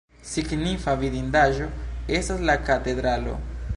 Signifa vidindaĵo estas la katedralo.